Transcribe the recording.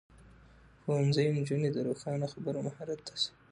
ښوونځی نجونې د روښانه خبرو مهارت ساتي.